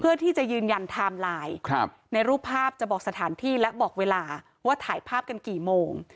เพื่อที่จะยืนยันไทม์ไลน์ในรูปภาพจะบอกสถานที่และบอกเวลาว่าถ่ายภาพกันกี่โมง